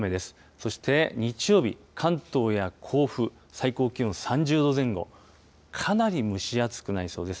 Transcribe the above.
そして日曜日、関東や甲府、最高気温３０度前後、かなり蒸し暑くなりそうです。